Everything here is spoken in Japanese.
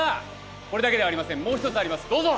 これだけではありませんもう一つありますどうぞ！